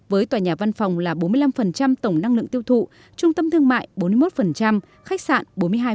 với tòa nhà văn phòng là bốn mươi năm tổng năng lượng tiêu thụ trung tâm thương mại bốn mươi một khách sạn bốn mươi hai